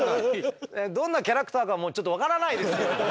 どんなキャラクターかもうちょっと分からないですけれども。